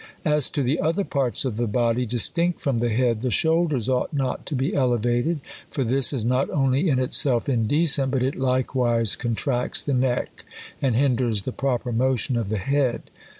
As to the other parts of the body distinct from the head, the shoulders ought not to be elevated; for this is not only in itself indecent ; but it likewise contracts the neck, and hinders the proper motion of the head.